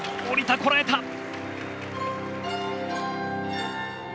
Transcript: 降りた、こらえた！